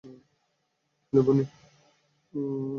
Hello, Ponni.